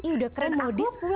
ih udah keren modis pula